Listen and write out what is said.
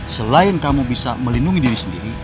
selain kamu bisa melindungi diri sendiri